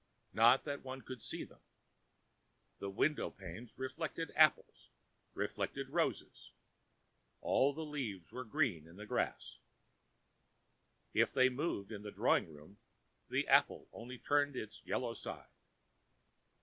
Not that one could ever see them. The window panes reflected apples, reflected roses; all the leaves were green in the glass. If they moved in the drawing room, the apple only turned its yellow side.